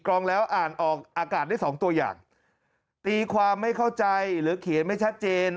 รองแล้วอ่านออกอากาศได้สองตัวอย่างตีความไม่เข้าใจหรือเขียนไม่ชัดเจน